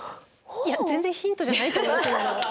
いや全然ヒントじゃないと思います。